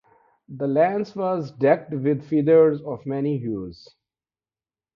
This lance was decked with feathers of many hues.